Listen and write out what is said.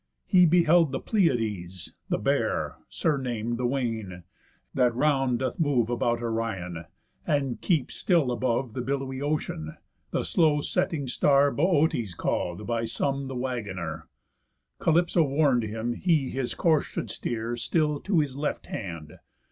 He beheld the Pleiades; The Bear, surnam'd the Wain, that round doth move About Orion, and keeps still above The billowy ocean; the slow setting star Bootes call'd, by some the Waggoner. Calypso warn'd him he his course should steer Still to his left hand.